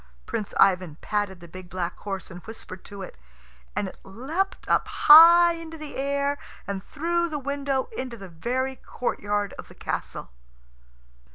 Prince Ivan patted the big black horse and whispered to it, and it leapt up high into the air and through the window, into the very courtyard of the castle.